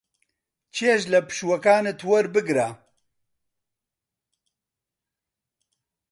چێژ لە پشووەکانت وەربگرە.